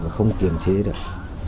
mà không kiềm chế được